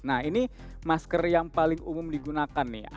nah ini masker yang paling umum digunakan nih